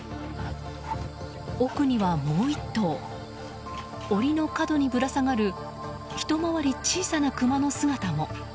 奥にはもう１頭檻の角にぶら下がるひと回り小さなクマの姿も。